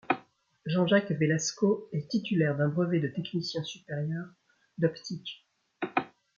Jean-jacques Velasco est titulaire d'un brevet de technicien supérieur d'optique.